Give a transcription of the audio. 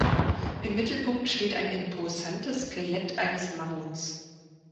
Im Mittelpunkt steht ein imposantes Skelett eines Mammuts.